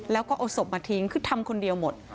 แล้วก็เอาศพมาทิ้งคือทำคนเดียวหมด